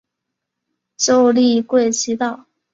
旧隶贵西道。